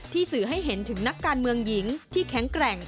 สื่อให้เห็นถึงนักการเมืองหญิงที่แข็งแกร่ง